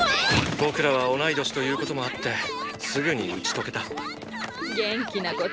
僕らは同い年ということもあってすぐに打ち解けた元気なこと。